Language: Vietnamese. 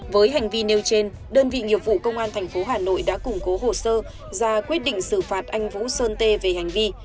với hành vi nêu trên đơn vị nghiệp vụ công an tp hà nội đã củng cố hồ sơ ra quyết định xử phạt anh vũ sơn tê về hành vi